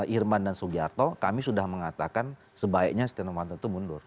irman dan sugiarto kami sudah mengatakan sebaiknya setia novanto itu mundur